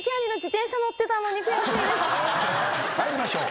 参りましょう。